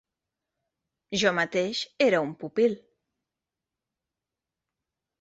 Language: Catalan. Jo mateix era un pupil.